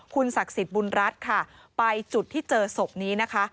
คุณศักดิ์สิทธิ์บุญรัฐค่ะไปจุดที่เจอศพนี้นะคะ